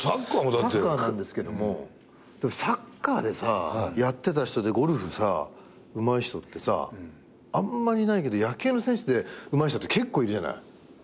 サッカーなんですけどもサッカーでさやってた人でゴルフさうまい人ってさあんまりいないけど野球の選手ってうまい人って結構いるじゃない。